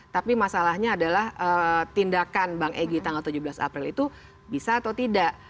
tapi masalahnya adalah tindakan bang egy tanggal tujuh belas april itu bisa atau tidak